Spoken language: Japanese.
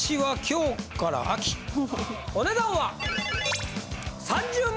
お値段は！